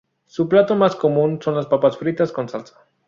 Su plato más común son las papas fritas con salsa.